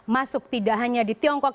masuk tidak hanya di tiongkok